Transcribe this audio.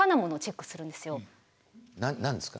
何何ですか？